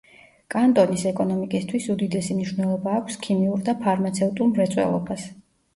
კანტონის ეკონომიკისთვის უდიდესი მნიშვნელობა აქვს ქიმიურ და ფარმაცევტულ მრეწველობას.